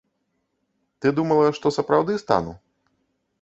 Ты думала, што сапраўды стану?